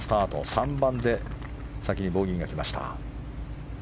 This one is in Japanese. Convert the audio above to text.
３番で先にボギーがきました。